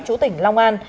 chủ tỉnh long an